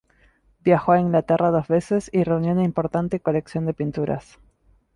Viajó a Inglaterra dos veces y reunió una importante colección de pinturas.